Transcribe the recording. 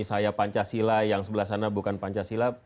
saya pancasila yang sebelah sana bukan pancasila